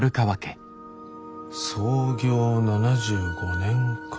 創業７５年か。